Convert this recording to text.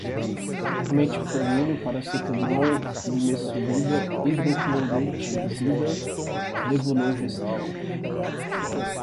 Metformina, paracetamol, nimesulida, hidroclorotiazida, levonorgestrel